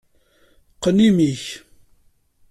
Qqen imi-k!